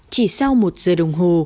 chỉ sau một giờ đồng hồ